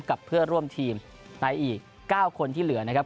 กับเพื่อร่วมทีมในอีก๙คนที่เหลือนะครับ